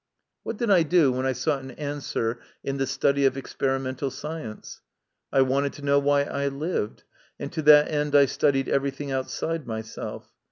What did I do when I sought an answer in the study of experimental science ? I wanted to know why I lived, and to that end I studied everything outside myself.